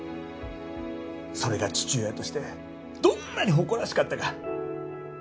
それが父親としてどんなに誇らしかったか。